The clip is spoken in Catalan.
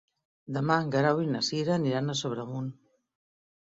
Demà en Guerau i na Cira aniran a Sobremunt.